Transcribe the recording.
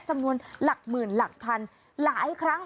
จำนวนหลักหมื่นหลักพันหลายครั้ง